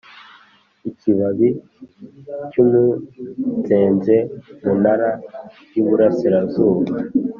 ikibabi cy’umunzenze munara y’iburasirazuba